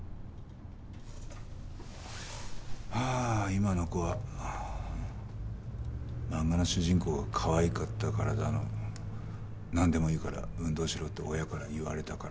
今の子は「漫画の主人公がかわいかったから」だの「なんでもいいから運動しろって親から言われたから」だの。